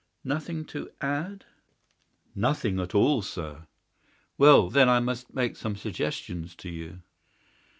"Nothing to add?" "Nothing at all, sir." "Well, then, I must make some suggestions to you.